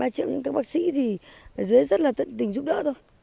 ba triệu những các bác sĩ thì ở dưới rất là tận tình giúp đỡ thôi